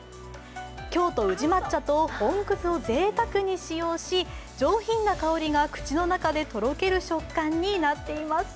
京都宇治抹茶と本葛をぜいたくに使用し、上品な香りが口の中でとろける食感になっています。